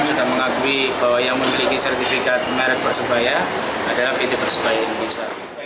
sudah mengakui bahwa yang memiliki sertifikat merek persebaya adalah pt persebaya indonesia